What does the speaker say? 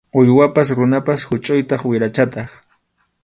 Uywapas runapas huchʼuytaq wirachataq.